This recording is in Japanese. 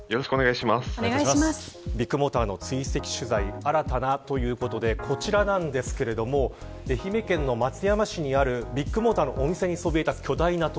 ビッグモーターの追跡取材新たな、ということでこちらですが愛媛県の松山市にあるビッグモーターのお店にそびえ立つ巨大な塔。